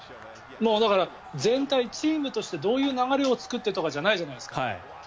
だからチームとしてどういう流れを作ってとかじゃないじゃないですか。